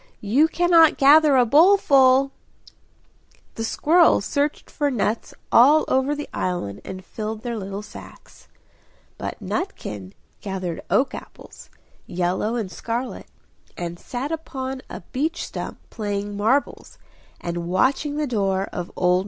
And you cannot gather a bowl full!" The squirrels searched for nuts all over the island and filled their little sacks. But Nutkin gathered oak apples yellow and scarlet and sat upon a beech stump playing marbles, and watching the door of old Mr. Brown.